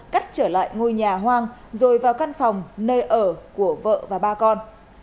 cắt trở lại ngôi nhà hoang rồi vào căn phòng nơi ở của vợ và ba con